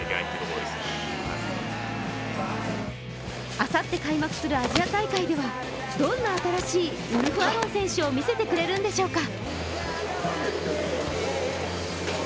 あさって開幕するアジア大会ではどんな新しいウルフアロン選手をみせてくれるのでしょうか。